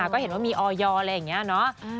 ก็เห็นว่ามีออยอะไรอย่างนี้เนอะ